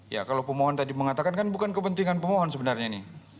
ya kalau pemohon tadi mengatakan kan bukan kepentingan pemohon sebenarnya ini